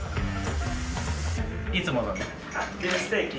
いつものね。